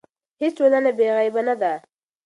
هیڅ ټولنه بې عیبه نه ده.